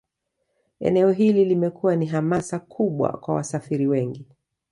Eneo hili limekuwa ni hamasa kubwa kwa wasafiri wengi